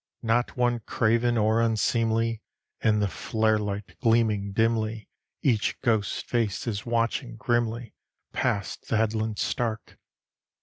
Not one craven or unseemly; In the flare light gleaming dimly, Each ghost face is watching grimly: Past the headlands stark!